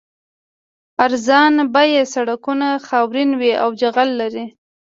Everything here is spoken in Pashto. ارزان بیه سړکونه خاورین وي او جغل لري